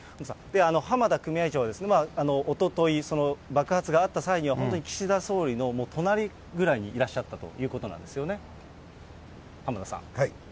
濱田組合長ですね、おととい、爆発があった際には本当に岸田総理の隣ぐらいにいらっしゃったということなんですよね、濱田さん。